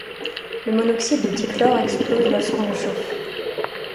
Le monoxyde de dichlore explose lorsqu'on le chauffe.